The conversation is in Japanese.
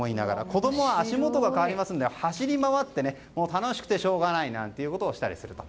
子供は足元が変わりますので走り回って楽しくてしょうがないなんていうことをしたりすると。